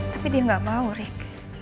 tapi dia nggak mau rick